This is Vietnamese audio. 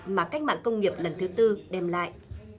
mà cách mạng công nghiệp lần thứ tư đem lại